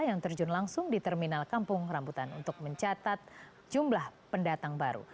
yang terjun langsung di terminal kampung rambutan untuk mencatat jumlah pendatang baru